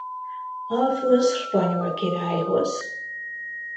Alfonz spanyol királyhoz.